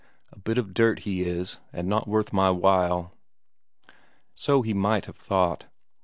A bit of dirt he is, and not worth my while" so he might have thought.